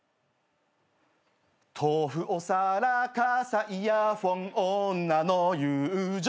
「豆腐お皿傘イヤホン女の友情」